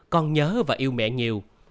con nhớ và yêu mẹ nhiều